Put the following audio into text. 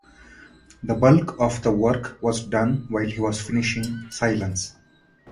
The bulk of the work was done while he was finishing "Silence".